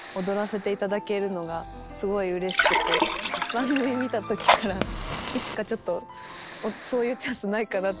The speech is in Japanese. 番組見た時からいつかちょっとそういうチャンスないかなって